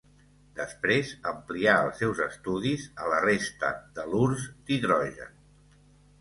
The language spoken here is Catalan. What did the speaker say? Després amplià els seus estudis a la resta d'halurs d'hidrogen.